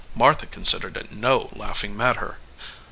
Martha considered it no laughing matter.